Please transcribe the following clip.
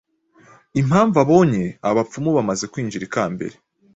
Impamvu abonye Abapfumu bamaze kwinjira ikambere,